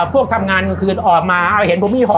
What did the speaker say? พวกทำงานคืนออกมาเห็นผมมีหอ